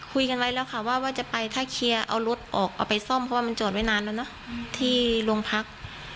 คุยกันไว้แล้วค่ะว่าจะไปถ้าเคลียร์เอารถออกเอาไปซ่อมเพราะว่ามันจอดไว้นานแล้วเนอะที่โรงพัก